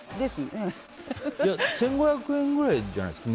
１５００円ぐらいじゃないですか？